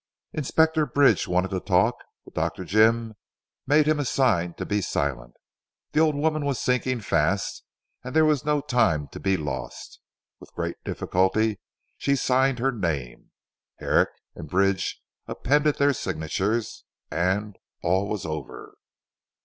Inspector Bridge wanted to talk, but Dr. Jim made him a sign to be silent. The old woman was sinking fast and there was no time to be lost. With great difficulty she signed her name. Herrick and Bridge appended their signatures, and all was over.